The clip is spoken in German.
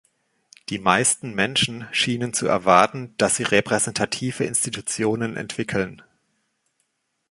Die meisten Menschen schienen zu erwarten, dass sie repräsentative Institutionen entwickeln.